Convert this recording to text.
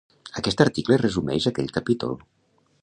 Aquest article resumeix aquell capítol.